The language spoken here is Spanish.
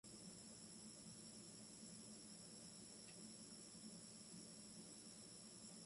Como Surya-Savitri representa el alba.